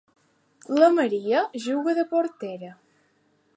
La Maria juga de portera.